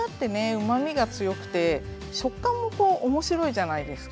うまみが強くて食感も面白いじゃないですか。